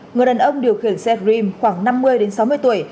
người đàn ông điều khiển xe dream khoảng năm mươi sáu mươi tuổi